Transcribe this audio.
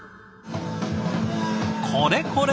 これこれ！